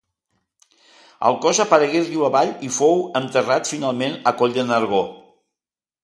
El cos aparegué riu avall i fou enterrat finalment a Coll de Nargó.